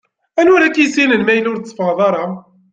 Anwa ara k-yissinen ma yella ur tetteffɣeḍ ara?